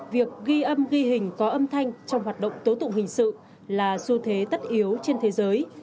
việc ghi âm ghi hình có âm thanh trong hoạt động tố tụng hình sự là xu thế tất yếu trên thế giới